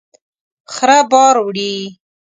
خره بار وړي